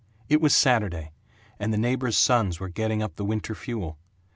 It was Saturday, and the neighbors' sons were getting up the winter fuel.